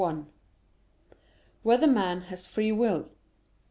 1] Whether Man Has Free Will?